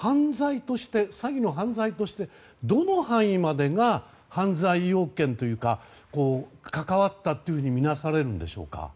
詐欺の犯罪としてどの範囲までが犯罪要件というか関わったとみなされるんでしょうか。